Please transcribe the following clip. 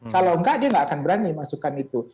kalau enggak dia nggak akan berani masukkan itu